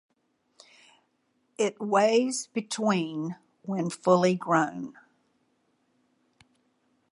It weighs between when fully grown.